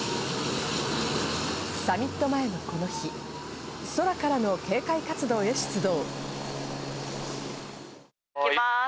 サミット前のこの日、空からの警戒活動へ出動。